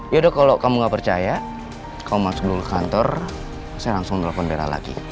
yaudah kalau kamu gak percaya kamu masuk dulu ke kantor saya langsung telepon bela lagi